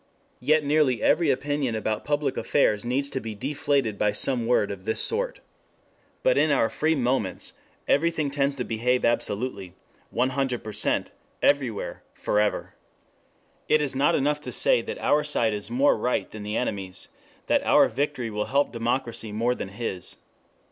Yet nearly every opinion about public affairs needs to be deflated by some word of this sort. But in our free moments everything tends to behave absolutely, one hundred percent, everywhere, forever. It is not enough to say that our side is more right than the enemy's, that our victory will help democracy more than his.